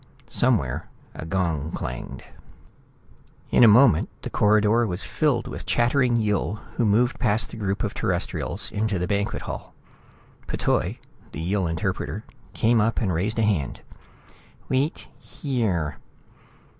Somewhere a gong clanged. In a moment, the corridor was filled with chattering Yill who moved past the group of Terrestrials into the banquet hall. P'Toi, the Yill interpreter, came up and raised a hand. "Waitt heere...."